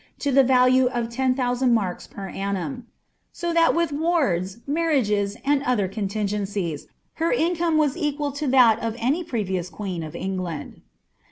to the vnlua of ten tiioUHand marks per annum; so that with wards, marrioget, and other comingencies, her income was equal lo that of any previous queen «f England.